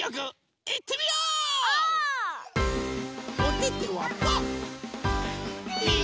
おててはパー。